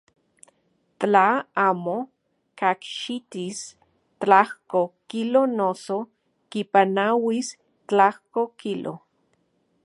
Tla amo kajxitis tlajko kilo noso kipanauis tlajko kilo.